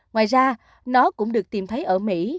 ngoài ra nó cũng được tìm thấy ở mỹ